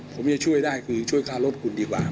ผมจะช่วยได้คือช่วยค่ารถคุณดีกว่า